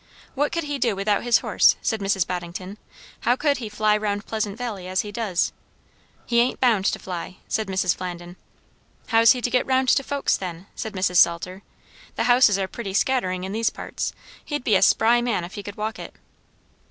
"What would he do without his horse?" said Mrs. Boddington. "How could he fly round Pleasant Valley as he does?" "He ain't bound to fly," said Mrs. Flandin. "How's he to get round to folks, then?" said Mrs. Salter. "The houses are pretty scattering in these parts; he'd be a spry man if he could walk it."